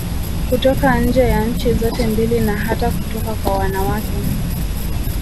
Kutoka nje ya nchi zote mbili na hata kutoka kwa wanawake